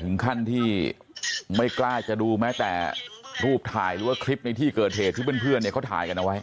ถึงขั้นที่ไม่กล้าจะดูแม้แต่รูปถ่ายหรือว่าคลิปในที่เกิดเหตุที่เพื่อนเนี่ยเขาถ่ายกันเอาไว้